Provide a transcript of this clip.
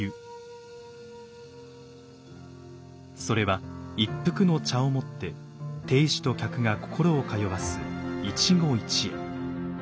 それは一服の茶をもって亭主と客が心を通わす